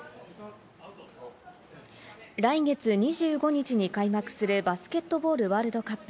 来月２５日に開幕するバスケットボールワールドカップ。